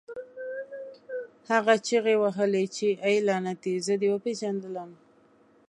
هغه چیغې وهلې چې اې لعنتي زه دې وپېژندلم